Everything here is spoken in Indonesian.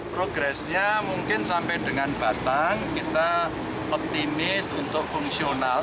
progresnya mungkin sampai dengan batang kita optimis untuk fungsional